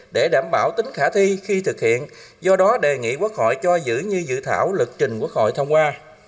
để đảm bảo tính khả thi khi thực hiện do đó đề nghị quốc hội cho giữ như dự thảo lực trình quốc hội thông qua